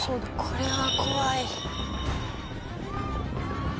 これは怖い。